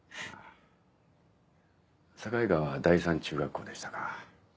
境川第三中学校でしたか。